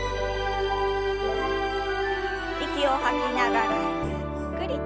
息を吐きながらゆっくりと。